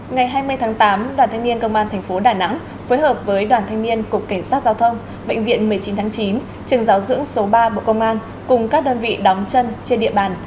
ngày hai mươi tháng tám đoàn thanh niên công an tp đà nẵng phối hợp với đoàn thanh niên cục cảnh sát giao thông bệnh viện một mươi chín tháng chín trường giáo dưỡng số ba bộ công an cùng các đơn vị đóng chân trên địa bàn